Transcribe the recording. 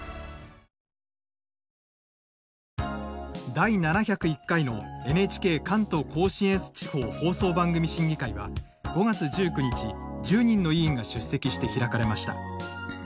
第７０１回のＮＨＫ関東甲信越地方放送番組審議会は５月１９日１０人の委員が出席して開かれました。